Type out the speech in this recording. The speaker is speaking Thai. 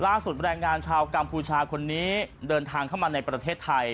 แรงงานชาวกัมพูชาคนนี้เดินทางเข้ามาในประเทศไทย